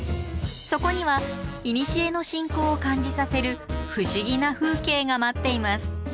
そこにはいにしえの信仰を感じさせる不思議な風景が待っています。